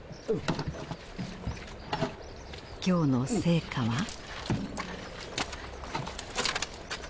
今日の成果は？